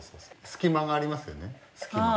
隙間がありますよね隙間。